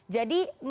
jadi luka apa